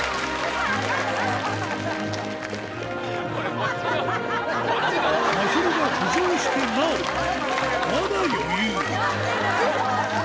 まひるが浮上してなお、まだ余裕。